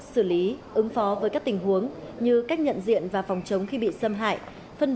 sử lý và tập trung vào các trường hợp tập trung vào các trường hợp